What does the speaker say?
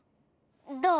どう？